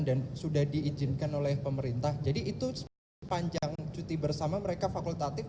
dan sudah diizinkan oleh pemerintah jadi itu sepanjang cuti bersama mereka fakultatif